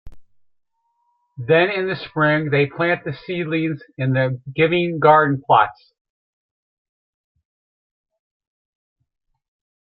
Then in the Spring, they plant the seedlings in the Giving Garden plots.